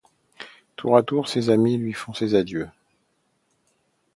Tour à tour, ses amis lui font ses adieux.